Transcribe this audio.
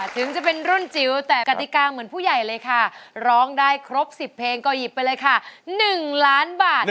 ถึงจะเป็นรุ่นจิ๋วแต่กติกาเหมือนผู้ใหญ่เลยค่ะร้องได้ครบ๑๐เพลงก็หยิบไปเลยค่ะ๑ล้านบาท